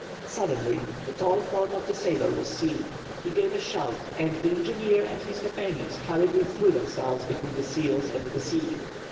Suddenly the tall form of the sailor was seen. He gave a shout, and the engineer and his companions hurriedly threw themselves between the seals and the sea.